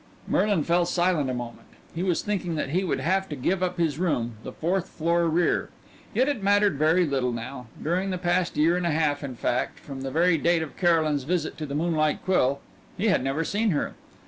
Merlin fell silent a moment. He was thinking that he would have to give up his room, the fourth floor rear. Yet it mattered very little now. During the past year and a half in fact, from the very date of Caroline's visit to the Moonlight Quill he had never seen her.